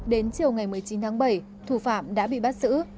đến chiều ngày một mươi chín tháng bảy thủ phạm đã bị bắt giữ